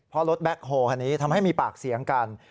เพราะรถแบ็คโฮคันนี้ทำให้มีปากเสียงกัน